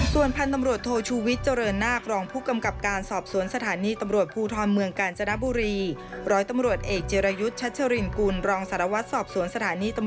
ส่วนพันธุ์ตำรวจโทชูวิทย์เจริญนาครองผู้กำกับการสอบสวนสถานีตำรวจภูทรเมืองกาญจนบุรี